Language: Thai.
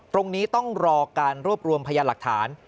ตรงนี้ต้องรอการรวบรวมพยานหลักฐาน